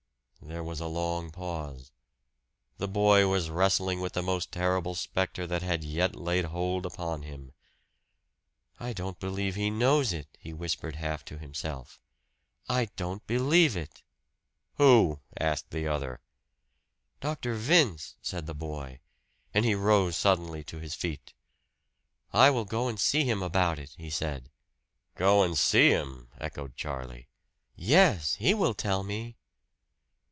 There was a long pause. The boy was wrestling with the most terrible specter that had yet laid hold upon him. "I don't believe he knows it!" he whispered half to himself. "I don't believe it!" "Who?" asked the other. "Dr. Vince!" said the boy. And he rose suddenly to his feet. "I will go and see him about it," he said. "Go and see him!" echoed Charlie. "Yes. He will tell me!"